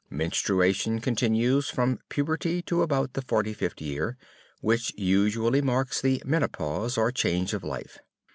Menstruation continues from puberty to about the forty fifth year, which usually marks the menopause, or "change of life."